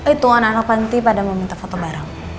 itu anak anak panti pada meminta foto bareng